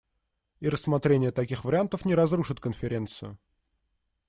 И рассмотрение таких вариантов не разрушит Конференцию.